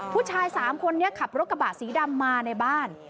ผู้ชาย๓คนนี้ขับรถกระบะสีดำมาในบ้าน